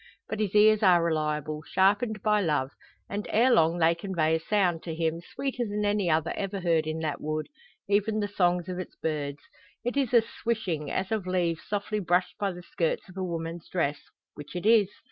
But his ears are reliable, sharpened by love; and, ere long they convey a sound, to him sweeter than any other ever heard in that wood even the songs of its birds. It is a swishing, as of leaves softly brushed by the skirts of a woman's dress which it is.